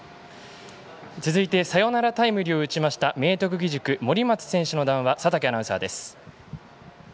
続いてサヨナラタイムリーを打ちました明徳義塾、森松選手の談話佐竹アナウンサーです。